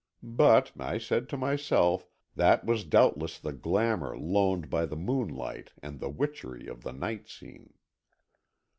But, I said to myself, that was doubtless the glamour loaned by the moonlight and the witchery of the night scene.